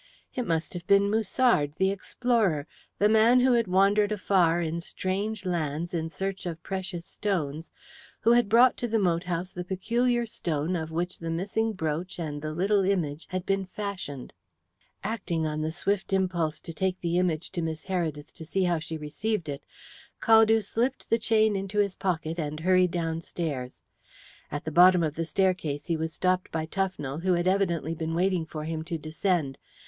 It must have been Musard, the explorer, the man who had wandered afar in strange lands in search of precious stones, who had brought to the moat house the peculiar stone of which the missing brooch and the little image had been fashioned. Acting on the swift impulse to take the image to Miss Heredith and see how she received it, Caldew slipped the chain into his pocket and hurried downstairs. At the bottom of the staircase he was stopped by Tufnell, who had evidently been waiting for him to descend.